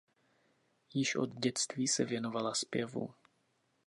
Již od dětství se věnovala zpěvu.